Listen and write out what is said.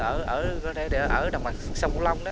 ở đồng bằng sông kiểu long